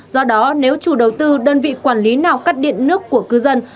do đó nếu chủ đầu tư đơn vị quản lý nào cắt điện nước của cư dân